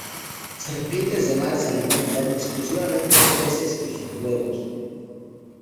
Serpientes de mar se alimentan exclusivamente de peces y sus huevos.